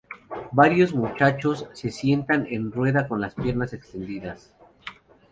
Varios muchachos se sientan en rueda con las piernas extendidas.